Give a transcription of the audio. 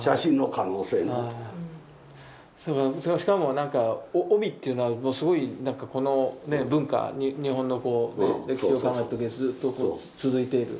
それがしかもなんか帯っていうのはすごいなんかこの文化日本の歴史を考えた時にずっと続いている。